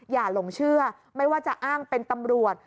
หลงเชื่อไม่ว่าจะอ้างเป็นตำรวจ